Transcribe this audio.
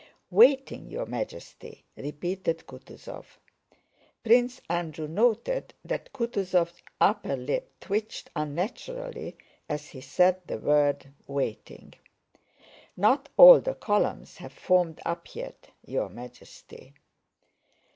"Waiting, Your Majesty," repeated Kutúzov. (Prince Andrew noted that Kutúzov's upper lip twitched unnaturally as he said the word "waiting.") "Not all the columns have formed up yet, Your Majesty."